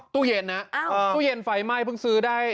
ตู้เย็นนะตู้เย็นไฟไหม้เพิ่งซื้อได้